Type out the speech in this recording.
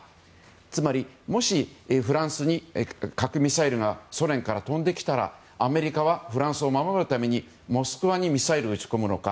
つまり、もしフランスに核ミサイルがソ連から飛んできたらアメリカはフランスを守るためにモスクワにミサイルを打ち込むのか。